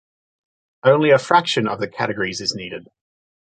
Only a fraction of the categories is needed.